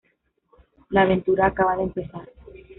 La aventura acaba de empezar.